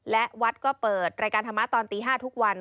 และวัดก็เปิดรายการธรรมะตอนตี๕ทุกวัน